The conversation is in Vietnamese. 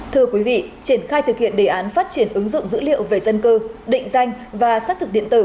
thưa quý vị triển khai thực hiện đề án phát triển ứng dụng dữ liệu về dân cư định danh và xác thực điện tử